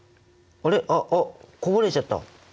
ああこぼれちゃった！